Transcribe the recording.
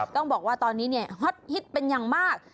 ต้องบอกว่าตอนนี้เนี่ยฮอตฮิตเป็นอย่างมาก